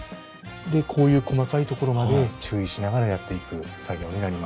こういう細かいところまで注意しながらやっていく作業になります。